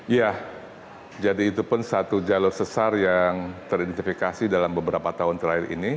ya jadi itu pun satu jalur sesar yang teridentifikasi dalam beberapa tahun terakhir ini